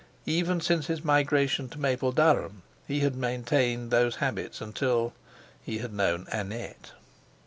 Even since his migration to Mapledurham he had maintained those habits until—he had known Annette.